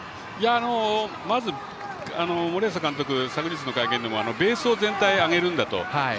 まず森保監督先ほどの会見でもベースを全体、上げるんだと。